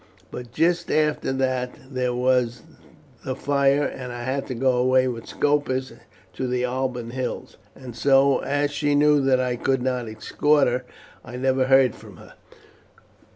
But just after that there was the fire, and I had to go away with Scopus to the Alban Hills; and so, as she knew that I could not escort her, I never heard from her.